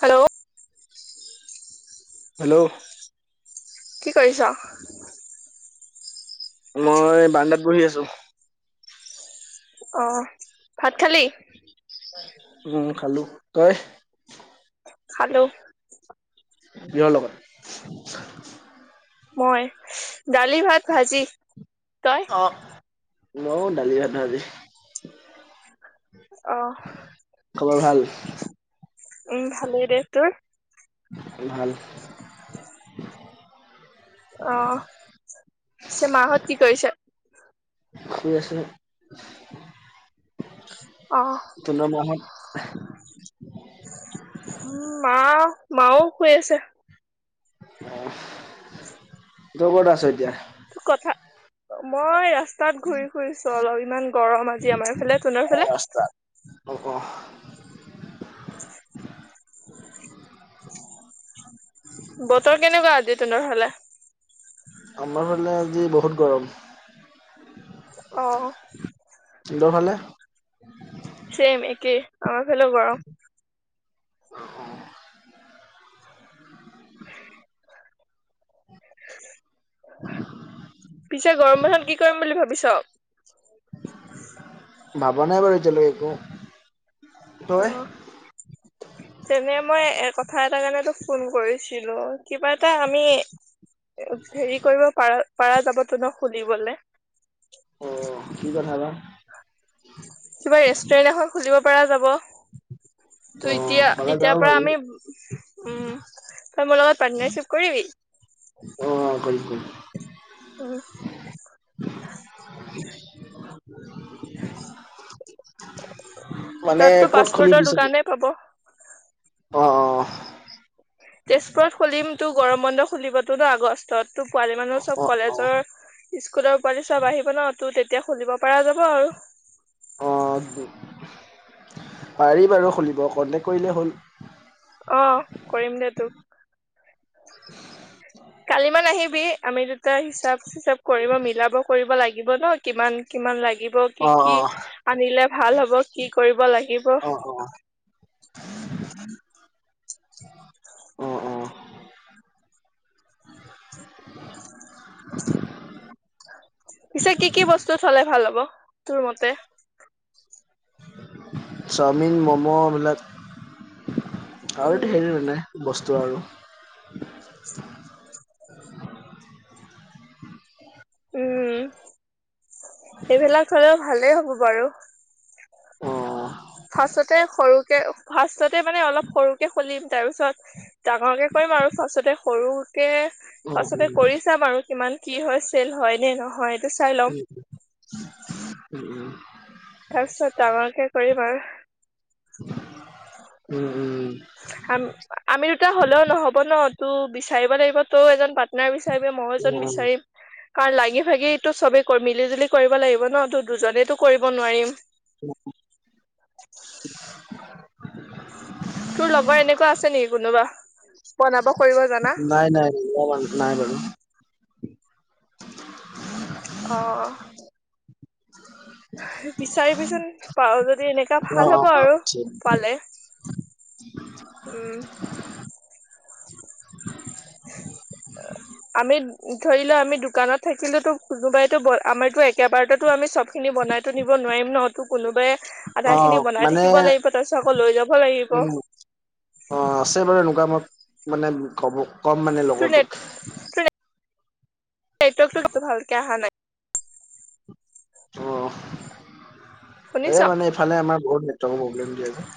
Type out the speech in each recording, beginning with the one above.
Hello hello কি কৰিছ? মই বাৰান্দাত বহি আছোঁ। অ ভাত খালি? উম খালোঁ। তই? খালোঁ। কিহৰ লগত? মই দালি ভাত ভাজি। তই? অ মইয়ো দালি ভাত ভাজি। অ খবৰ ভাল উম ভালেই দেই। তোৰ? ভাল। অ পিছে মাহত কি কৰিছে? শুই আছোঁ। অঁ। তোমাৰ মাঁ হত। উম মাঁ মাও শুই আছে। অ তই ক'ত আছ এতিয়া? কথা মই ৰা ৰাস্তাত ঘূৰি ফুৰিছো অলপ ইমান গৰম আজি আমাৰ ফালে। তঁহতৰ ফালে? [inaudible] অ অ। বতৰ কেনেকুৱা আজি তহঁতৰ ফালে? আমাৰ ফালে আজি বহুত গৰম। অঁ। তহঁতৰ ফালে? ছেম একেই আমাৰ ফালেওঁ গৰম। [inaudible] [inaudible] [inaudible] পিছে গৰম বন্ধত কি কৰিম বুলি ভাবিছ? ভাবা নাই বাৰু এতিয়ালৈকে একো। তই অঁ। তেনে মই এই কথা এটাৰ কাৰণে তোক ফোন কৰিছিলো, কিবা এটা আমি- হেৰি কৰিব পাৰা যাবতো ন খুলিবলে? অঁ, কি কথা বা? কিবা ৰেষ্টুৰেন্ট এখন খুলিব পৰা যাব, অ ত' এতিয়া- পালে যাওঁ এতিয়াৰ পৰা বাৰু আমি- উম, তই মোৰ লগত পাৰ্টনাৰশ্বিপ কৰিবি? অঁ, কৰিম উম -কৰিম। [inaudible] মানে তাততো ক'ত খুলি পাছপৰ্টৰ পিছে? অঁ দোকানে পাব -অঁ। তেজপুৰত খুলিম, তোৰ গৰম বন্ধ খুলিবতো ন আগষ্টত। তোৰ পোৱালি মানুহ অ চব অ অ কলেজৰ, স্কুলৰ পোৱালি চব আহিব ন। তো তেতিয়া খুলিব পৰা যাব আৰু। অ পাৰি বাৰু খুলিব কণ্টেক্ট কৰিলেই হ'ল। অঁ, কৰিম দে তোক। কালি মানে আহিবি, আমি দুটাই হিচাপ- চিচাব কৰিব মিলাব কৰিব লাগিব ন। কিমান কিমান লাগিব, অ কি কি অ আনিলে ভাল হ'ব, কি কৰিব লাগিব? অ অ [inaudible] অ [inaudible] [inaudible] পিছে কি কি বস্তু থলে ভাল হ'ব তোৰ মতে? চাওমিন, ম'ম' এইবিলাক আৰু উম, ধেৰ মানে- বস্তু আৰু। এই বিলাক [unintelligible] ভালেই হ'ব বাৰু। অঁ। ফাৰ্ষ্টতে সৰুকে, ফাৰ্ষ্টতে মানে অলপ সৰুকে খুলিম তাৰপিছত- ডাঙৰকে কৰিম আৰু। ফাৰ্ষ্টতে সৰুকে, অ ফাৰ্ষ্টতে উম কৰি চাম আৰু কিমান- কি হয়, চেল হয় নে নহয়! এইটো চাই ল'ম। উম, উম, উম। তাৰপিছত ডাঙৰকে কৰিম আৰু। উম, উম। আমি দুটা হ'লেও নহ'ব ন! তোৰ বিচাৰিব লাগিব তোৰ এজন - পাটনাৰ বিচাৰিবি, মইয়ো এজন উম বিচাৰিম। কাৰণ লাগি ভাগিতো চবেই মিলি জুলি কৰিব লাগিব ন, ত দুজনেইতো কৰিব নোৱাৰিম। [inaudible] তোৰ লগৰ এনেকুৱা আছে নেকি কোনোবা বনাব কৰিব জনা? [unintelligible] নাই বাৰু। [inaudible] অঁ। [inaudible] বিচাৰিবিচোন, পাৱ যদি এনেকা অ ভাল হ'ব অ আৰু পালে। উম। [inaudible] আমি ধৰি লোৱা আমি দোকানত থাকিলো তো, কোনোবাইতো আমাৰো একেবাৰতেো আমি চব- খিনি বনাইটো নিব নোৱাৰিম ন। তো কোনোবাই- অ আধাখিনি বনাই মানে থাকিব লাগিব, তাৰপিছত আকৌ লৈ যাব লাগিব। অঁ আছে বাৰু এনেকুৱা মই মানে কব কম মানে তোৰ নেট লগৰটোক। নেটৱৰ্কটো তাতে ভালকে আহা নাই। অঁ, শুনিছ এই মানে এইফালে আমাৰ বহুত নেটৱৰ্ক প্ৰব্লেম দিয়ে যে।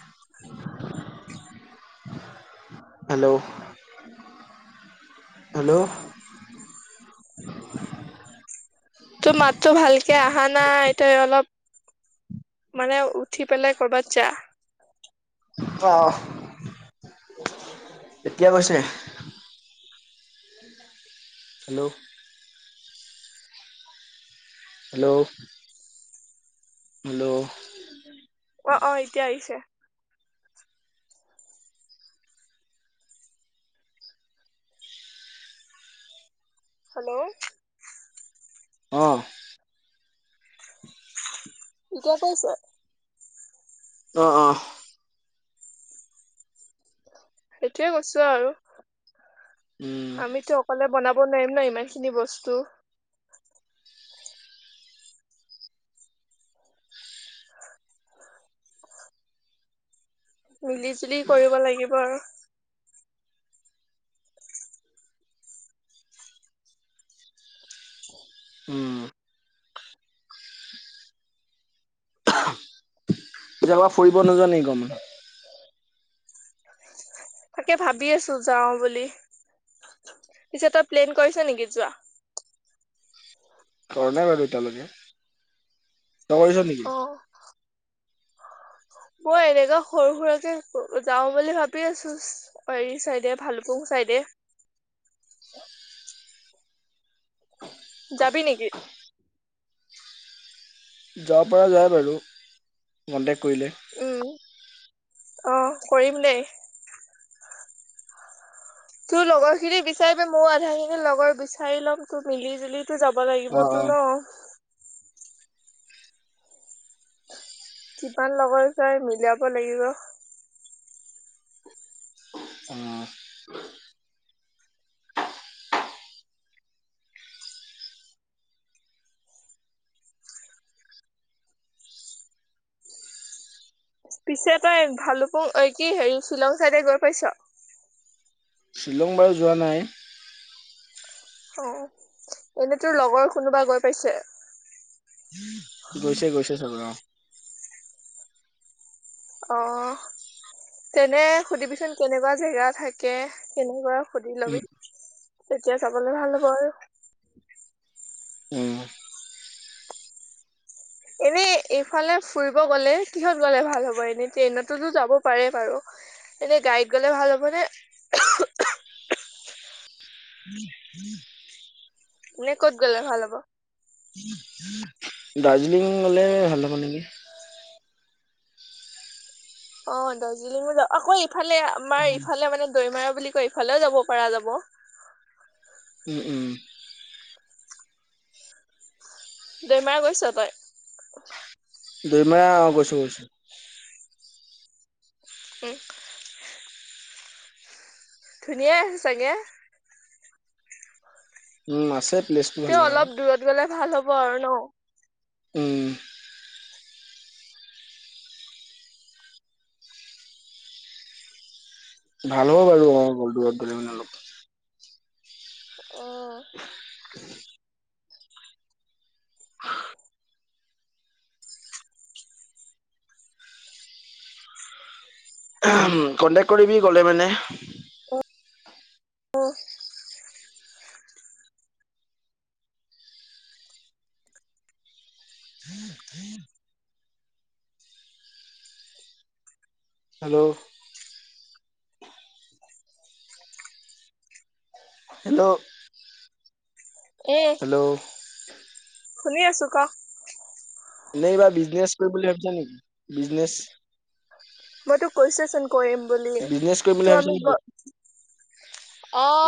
Hello, hello. তোৰ মাতটো ভালকে আহা নাই, তই অলপ- মানে উঠি পেলাই কৰ'বাত যা। অঁ অঁ, এতিয়া গৈছে? হেল্লৌ' হেল্লৌ' হেল্লৌ' অ অ, এতিয়া আহিছে। হেল্লৌ' অঁহ'। এতিয়া গৈছে? অঁ অঁ। সেইটোয়ে কৈছো আৰু, উম আমিতো অকলে বনাব- ব নোৱাৰিম ন ইমান খিনি বস্তু। মিলি জুলি কৰিব লাগিব আৰু। উম'। কেতিয়াবা ফুৰিব নোযোৱা নিকি গৰম বন্ধত? তাকে ভাবি আছো যাওঁ বুলি। পিছে তই প্লেন কৰিছ নেকি যোৱা? কৰা নাই বাৰু এতিালৈকে। তই কৰিছ নেকি? অ মই এনেকা সৰু সুৰাকে যাওঁ বুলি ভাবি আছোছ। হেৰি চাইদে ভালুপুং চাইদে। যাবি নিকি? যাব পৰা যায় বাৰু কণ্টেক্ট কৰিলে। উম, অঁ কৰিম দে। তোৰ লগৰ খিনি বিচাৰিবি মও আধা খিনি লগৰ বিচাৰি ল'ম তোৰ মিলি-জুলি- টো যাব অ অ। লাগিবতো ন? কিমান লগৰ যাই মিলাব লাগিব। অঁ'। পিছে তই ভালুপুং ঐ কি হেৰি শ্বিলং চাইদে গৈ পাইছ? শ্বিলং বাৰু যোৱা নাই। অঁ এনেই তোৰ লগৰ কোনোবা গৈ পাইছে? গৈছে গৈছে চবে অঁ। অঁ তেনে সুধিবিচোন, কেনেকুৱা জেগা থাকে কেনেকুৱা? উম সুধিলবি। তেতিয়া যাবলে ভাল হ'ব আৰু। উম'। এনেই এইফালে ফুৰিব গ'লে কিহত গ'লে ভাল হ'ব? এনেই ট্ৰেইনতোতো যাব পাৰে বাৰু। এনেই গাড়ীত গ'লে ভাল হ'ব নে- [unintelligible] নে ক'ত গ'লে ভাল হ'ব? দাৰ্জিলিং গলে ভাল হ'ব নিকি? অঁ দাৰ্জিলিঙো যা আকৌ ইফালে আমাৰ, উম। ইফালে মানে দৈমাৰ বুলি কয়, ইফালেও যাব পৰা যাব। উম' উম'। দেমাৰ গৈছ তই? দুই মাহ গৈছো, গৈছো। উম, ধুনীয়া আছে চাগে। উম, আছে। প্লেচটো তে ভালে বাৰু। অলপ দূৰত গলে ভাল হ'ব আৰু ন উম, ভাল হ'ব বাৰু অমাৰল দূৰত ধৰি মি অল অ', [inaudible] [inaudible] উম, কন্টেক কৰিবি ক'লে মানে। অ', উম, উম। [inaudible] হেল্ল' হেল্ল' এই ত' শুনি আছো ক? নবাৰ বিজনেচ কৰি বুলি ভাবিছা নেকি বিজনেচ? মইতো কৈছচোন কৰিম বুলি বিজনেছ কৰিম বুলি ত' ভাবিছা আমি নেকি?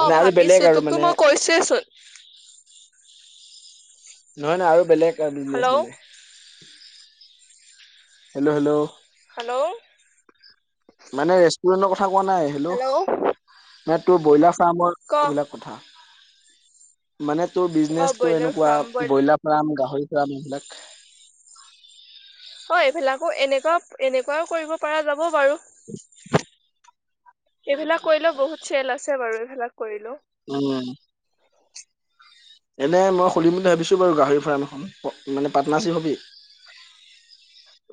মানে আৰু বেলেগ ভাবিছো আৰু তোকতো মানে মই কৈছোৱয়েচোন। নহয়, নহয় আৰু বেলেগ বিজনেচ হেল্ল' মানে। হেল্ল' হেল্ল' হেল্ল' মানে ৰেষ্টুৰেণ্টৰ কথা কোৱা নাই হেল্লো হেল্ল' ম তোৰ ব্ৰইলাৰ ফাৰ্মৰ ক এইবিলাক মানে তোৰ অ বিজনেচটো ব্ৰইলাৰ এনেকুৱা ফাৰ্ম ব্ৰইলাৰ গ্ৰাম গাহৰি গ্ৰাম এইবিলাক হয় এইবিলাকো এনেকুৱা, এনেকুৱাও কৰিব পৰা যাব বাৰু এইবিলাক কৰিলেও বহুত চেল আছে বাৰু এইবিলাক কৰিলেও। উম, এনে মই সুলিম বুলি ভাবিছো বাৰু গাহৰি ফাৰ্ম এখন মানে পাৰ্টনাৰশ্বিপ হবি।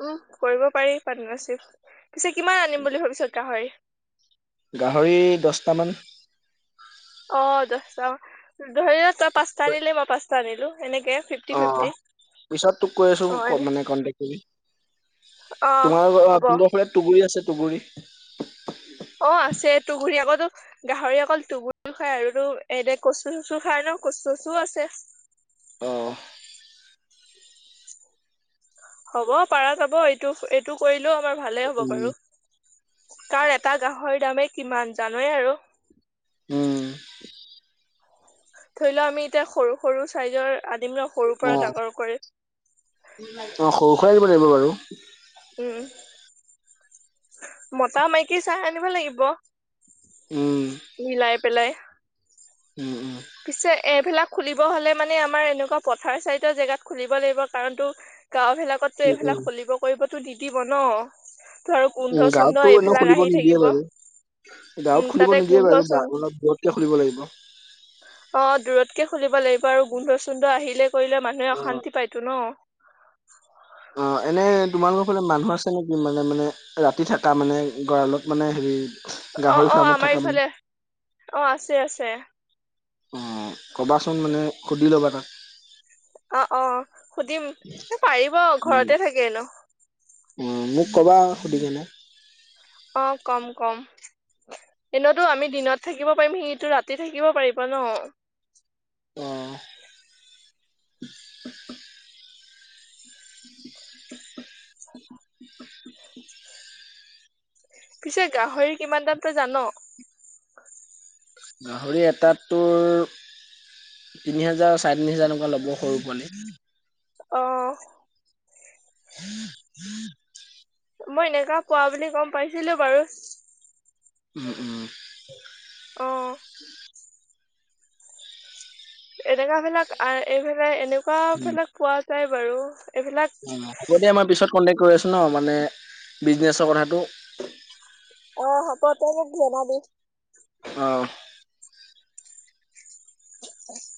উম, কৰিব পাৰি পাৰ্টনাৰশ্বিপ পিছে কিমান আনিম বুলি ভাবিছত গাহৰি? গাহৰি দহটামান। অ' দহটা ধৰি লোৱা তই পাঁচটা আনিলে মই পাঁচটা আনিলো এনেকে। ফিফটি অ' ফিফটি পিছত তোক কৈ আছো অ এনে মানে কণ্টেক কৰি। অ' হ'ব। ৰা তুবুৰি আছে তুবুৰি [unintelligible] অ' আছে তোৰ ঘূৰি আবতো গাহৰি অকল তুবৰিও আৰু এনে কচু চচু খাই ন কচু আছে। অ', হ'ব পাৰা যাব এইটো এইটো কৰিলেও আমাৰ ভালেই হ'ব উম বাৰু। কাৰণ এটা গাহৰি দামেই কিমান জানোৱেই আৰু। উম, ধৰি লও আমি এতিয়া সৰু, সৰু চাইজৰ আদিম লগ সৰুৰ অ পৰা ডাঙৰ কৰি অ' সৰু সুৰাই দিব লাগিব বাৰু। উম, মতা মাইকী চাহ আনিব লাগিব। উম মিলাই পেলাই। উম, উম। পিছে এইবিলাক খুলিব হ'লে মানে আমাৰ এনেকুৱা পথাৰ চাৰিত জেগাত খুলিব লাগিব কাৰণতো গাঁওবিলাকোতো উম এইবিলাক খুলিব কৰিবতো নিদিব ন। ত আৰু গোন্ধ চোন্ধ গাওঁতটো এনে এইবিলাক খুলিব আহি নিদিয়ে থাকিব। বাৰু উম গাঁওত খুলিব তাতে নিদিয়ে গোন্ধ চোন বাৰু অলপ তে খুলিব লাগিব। অ' দূৰতকৈ খুলিব লাগিব আৰু গোন্ধ-চোন্ধ আহিলে কৰিলে মানুহে অ'। অশান্তি পায়তো ন। অ' এনে তোমাল লগৰ ফেলে মানুহ আছে নেকি মানে, মানে ৰাতি থাকা মানে গড়ালত মানে হেৰি গাহৰি অ'অ' ফাৰ্মত আমাৰ থাকা মানে ইফালে অ' আছে, আছে। অ' কবাচোন মানে সুধি ল'বা তাক। অ'অ' সুধিম এই পাৰিব উম, ঘৰতে থাকে এনেও। অ' মোক ক'বা সুধিকেনে? অ' কম, কম। এনেতো আমি দিনত থাকিব পাৰিম সিটো ৰাতি থাকিব পাৰিব ন। অ', [inaudible] পিছে গাহৰি কিমান দাম তই যা ন? গাহৰি এটাত তোৰ তিনি হাজাৰ, চাৰে তিনি হাজাৰ এনেকুৱা ল'ব সৰু পোৱালি। অ', হম, উম, মই এনেকা কোৱা বুলি গম পাইছিলো বাৰু। উম, উম। অ', এনেকাবিলাক, এইবিলাক, উম, এনেকুৱাবিলাক পোৱা যায় বাৰু এইবিলাক উম, হ'ব দিয়া মই পিছত কণ্টেক্ট কৰি আছো ন মানে বিজনেচৰ কথাটো। অ, হব তই মোক জনাবি। অ', হয়।